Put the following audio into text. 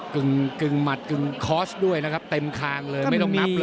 กึ่งหมัดกึ่งคอร์สด้วยนะครับเต็มคางเลยไม่ต้องนับเลย